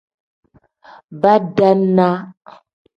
Badaanaa.